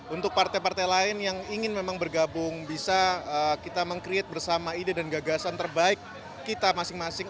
untuk partai partai lain yang ingin memang bergabung bisa kita meng create bersama ide dan gagasan terbaik kita masing masing